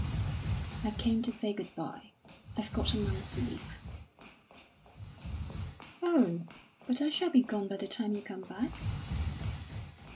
"I came to say good bye; I've got a month's leave." "Oh, but I shall be gone by the time you come back."